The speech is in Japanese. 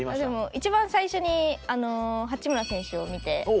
一番最初に八村選手を見て。